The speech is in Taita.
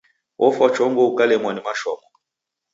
Ofwa chongo ukalemwa ni mashomo.